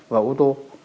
vào ô tô